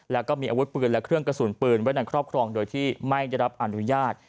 แล้วก็มีอาวุธปืนและเครื่องกระสุนปืนไว้ในครอบครองโดยที่ไม่ได้รับอนุญาต